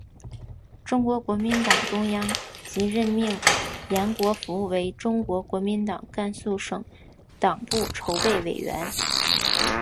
中国国民党中央即任命延国符为中国国民党甘肃省党部筹备委员。